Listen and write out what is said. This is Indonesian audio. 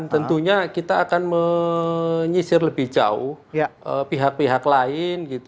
dan tentunya kita akan menyisir lebih jauh pihak pihak lain